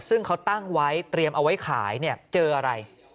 ซึ่งเขาตั้งไว้เตรียมเอาไว้ขายเนี่ยเจออะไร